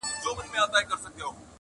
قدرت ژوند، دین او ناموس د پاچاهانو،